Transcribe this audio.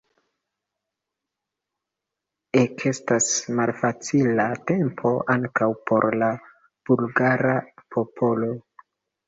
Ekestas malfacila tempo ankaŭ por la bulgara popolo.